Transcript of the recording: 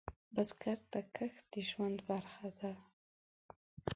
بزګر ته کښت د ژوند برخه ده